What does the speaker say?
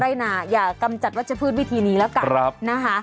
เรียกสวนไร่นาอย่ากำจัดวัชพืชวิธีนี้แล้วกัน